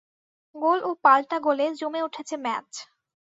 গোল ও পাল্টা গোলে জমে উঠেছে ম্যাচ।